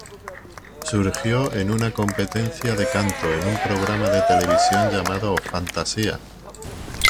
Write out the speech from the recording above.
Surgió en una competencia de canto, en un programa de televisión llamado "Fantasia".